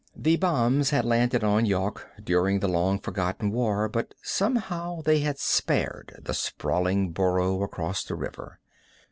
The bombs had landed on Yawk during the long forgotten war, but somehow they had spared the sprawling borough across the river.